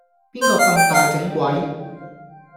邊個咁大整鬼